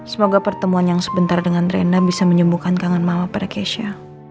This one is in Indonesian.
semoga pertemuan yang sebentar dengan renda bisa menyembuhkan kangen mama pada keisha